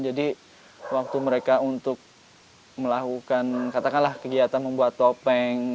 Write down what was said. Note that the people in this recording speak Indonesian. jadi waktu mereka untuk melakukan katakanlah kegiatan membuat topeng